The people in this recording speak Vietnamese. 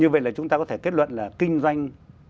và chúng ta có thể kết luận là kinh doanh